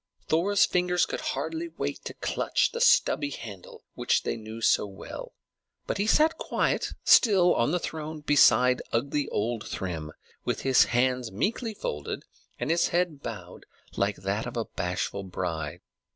Thor's fingers could hardly wait to clutch the stubby handle which they knew so well; but he sat quite still on the throne beside ugly old Thrym, with his hands meekly folded and his head bowed like a bashful bride.